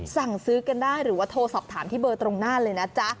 สั่งซื้อกันได้หรือว่าโทรสอบถามที่เบอร์ตรงหน้าเลยนะจ๊ะ